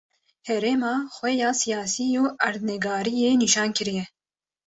herêma xwe ya siyasî û erdnigariyê nişan kiriye.